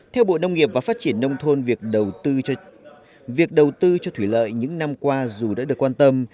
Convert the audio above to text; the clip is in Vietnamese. theo bộ nông nghiệp và phát triển nông thôn việc đầu tư cho thủy lợi những năm qua dù đã được quan tâm